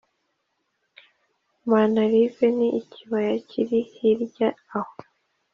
manalive ni ikbaya kiri hirya aho